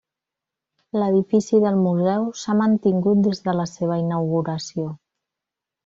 L'edifici del museu s'ha mantingut des de la seva inauguració.